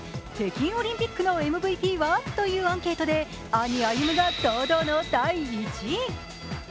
北京オリンピックのＭＶＰは？というアンケートで兄、歩夢が堂々の第１位！